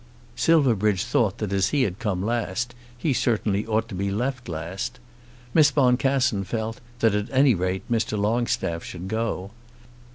Silverbridge thought that as he had come last, he certainly ought to be left last. Miss Boncassen felt that, at any rate, Mr. Longstaff should go.